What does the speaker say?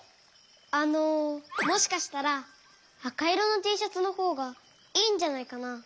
あのもしかしたらあかいいろのティーシャツのほうがいいんじゃないかな。